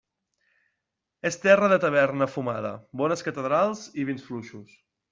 És terra de taverna fumada, bones catedrals i vins fluixos.